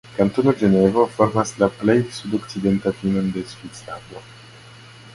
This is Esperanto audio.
Kantono Ĝenevo formas la plej sudokcidentan finon de Svislando.